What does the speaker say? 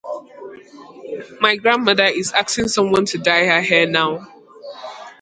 My grandmother is asking someone to dye her hair now.